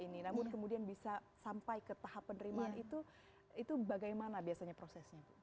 namun kemudian bisa sampai ke tahap penerimaan itu itu bagaimana biasanya prosesnya bu